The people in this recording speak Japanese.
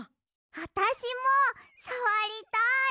あたしもさわりたい！